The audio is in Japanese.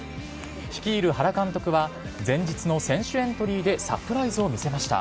率いる原監督は、前日の選手エントリーでサプライズを見せました。